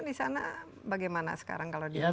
di sana bagaimana sekarang kalau di